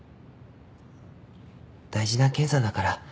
大事な検査だから。